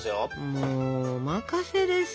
もうお任せです。